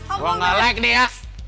aduh apa ngalek dia